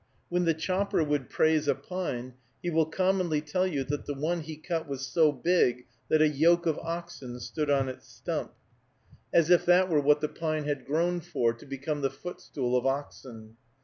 When the chopper would praise a pine, he will commonly tell you that the one he cut was so big that a yoke of oxen stood on its stump; as if that were what the pine had grown for, to become the footstool of oxen.